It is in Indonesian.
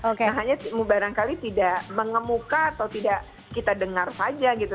nah hanya barangkali tidak mengemuka atau tidak kita dengar saja gitu